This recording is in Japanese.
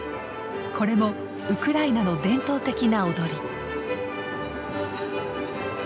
これもウクライナの伝統的な踊り。